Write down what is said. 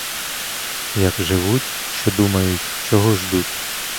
Як живуть, що думають, чого ждуть?